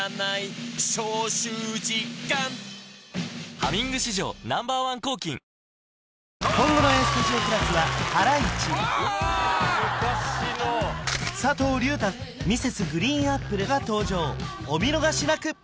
「ハミング」史上Ｎｏ．１抗菌今後の「ＡＳＴＵＤＩＯ＋」はハライチ佐藤隆太Ｍｒｓ．ＧＲＥＥＮＡＰＰＬＥが登場お見逃しなく！